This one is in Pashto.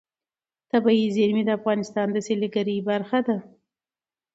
طبیعي زیرمې د افغانستان د سیلګرۍ برخه ده.